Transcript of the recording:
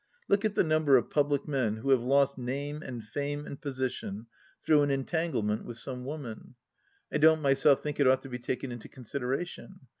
Look at the number of public men who have lost name and fame and position through an entanglement with some woman ! I don't my self think it ought to be taken into consideration.